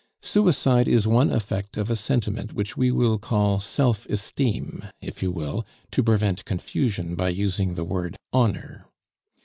Suicide is one effect of a sentiment which we will call self esteem, if you will, to prevent confusion by using the word "honor."